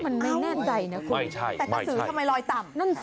มันไม่แน่นใจนะคุณแต่กสิร์ชทำไมลอยต่ำ